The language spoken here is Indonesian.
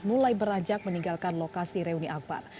mulai beranjak meninggalkan lokasi reuni akbar